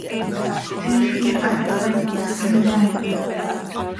Tiix iihax ihtaai ma, hin yaaipot.